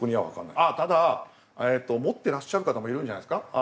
ただ持ってらっしゃる方もいるんじゃないですか？